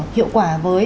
hiệu quả với